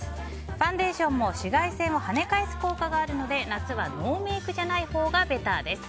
ファンデーションも紫外線を跳ね返す効果があるので夏はノーメイクじゃないほうがベターです。